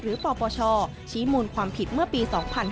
ปปชชี้มูลความผิดเมื่อปี๒๕๕๙